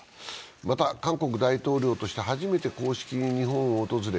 また、韓国大統領として初めて公式に日本を訪れ、